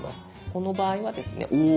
この場合はですねうぉ！